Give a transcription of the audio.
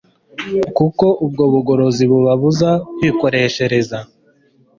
kuko ubwo bugorozi bubabuza kwikoreshereza